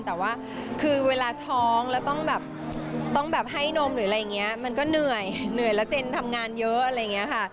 แต่ว่าคือเวลาท้องแล้วต้องแบบต้องแบบให้นมหรืออะไรอย่างนี้มันก็เหนื่อยเหนื่อยแล้วเจนทำงานเยอะอะไรอย่างนี้ค่ะ